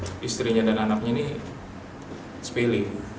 kesalahan oleh istrinya dan anaknya ini sepilih